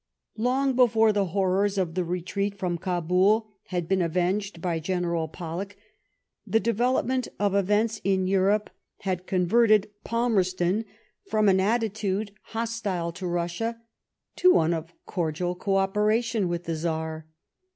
Long before the horrors of the retreat from Gabul had been avenged by General Pollock, the development of events in Europe had converted Palmerston from an 70 LIFE OF VISCOUNT PALMEB8T0N. attitude hostile to Rassia to one of cordial oo operation with the Czar.